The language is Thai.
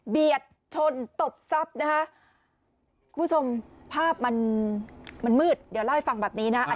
เบียดชนตบซับนะฮะคุณผู้ชมภาพมันมันมืดเดี๋ยวล่อยฟังแบบนี้นะครับ